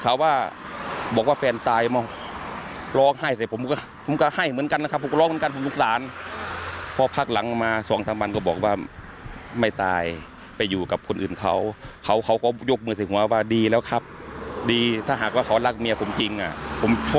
ภาษาศึกษาศึกษาศึกษาศึกษาศึกษาศึกษาศึกษาศึกษาศึกษาศึกษาศึกษาศึกษาศึกษาศึกษาศึกษาศึกษาศึกษาศึกษาศึกษาศึกษาศึกษาศึกษาศึกษาศึกษาศึกษาศึกษาศึกษาศึกษาศึกษาศึกษาศึก